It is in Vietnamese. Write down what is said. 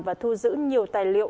và thu giữ nhiều tài liệu